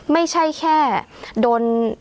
ไม่ใช่แค่โดน